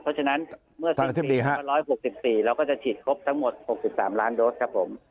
เพราะฉะนั้นเมื่อถึงปี๕๖๔เราก็จะฉีดครบทั้งหมด๖๓ล้านโดสครับผม